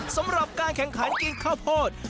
สำหรับการแข่งขันกินข้าวโพด